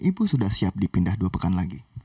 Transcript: ibu sudah siap dipindah dua pekan lagi